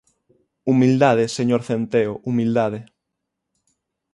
Humildade, señor Centeo, humildade.